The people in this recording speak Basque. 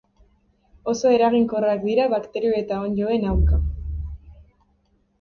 Oso eraginkorrak dira bakterio eta onddoen aurka.